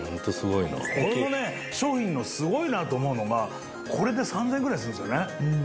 このね商品のすごいなと思うのがこれで３０００円ぐらいするんですよね